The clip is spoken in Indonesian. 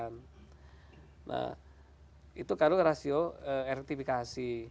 nah itu kadang rasio elektrifikasi